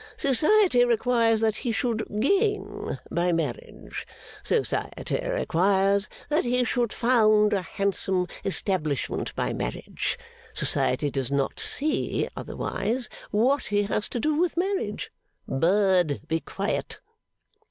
Society requires that he should gain by marriage. Society requires that he should found a handsome establishment by marriage. Society does not see, otherwise, what he has to do with marriage. Bird, be quiet!